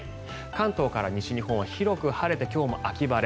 関東から西日本では広く晴れて今日も秋晴れ。